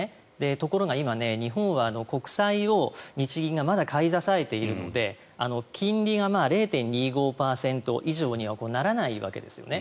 ところが今、日本は国債を日銀がまだ買い支えているので金利が０．２５％以上にはならないわけですよね。